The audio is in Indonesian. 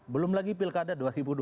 belum lagi pilkada dua ribu dua puluh